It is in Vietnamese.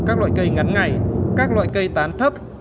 các loại cây ngắn ngày các loại cây tán thấp